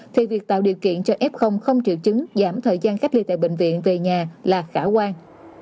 thì việc tạo điều kiện cho f không triệu chứng giảm thời gian cách ly tại bệnh viện về nhà là khả quan